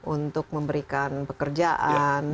untuk memberikan pekerjaan